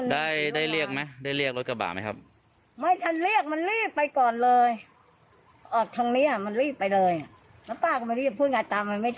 ได้เรียกรถกระบาดไหมครับ